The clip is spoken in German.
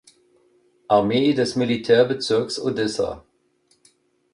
Armee des Militärbezirks Odessa.